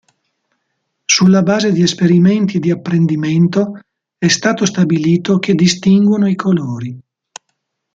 Sulla base di esperimenti di apprendimento, è stato stabilito che distinguono i colori.